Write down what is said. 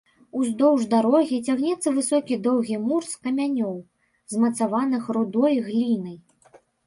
Уздоўж дарогі цягнецца высокі доўгі мур з камянёў, змацаваных рудой глінай.